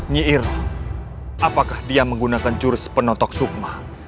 nyiroh apakah dia menggunakan jurus penotok sukmah